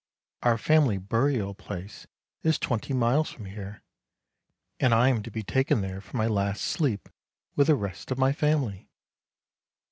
Our family burial place is twenty miles from here, and I am to be taken there for my last sleep with the rest of my family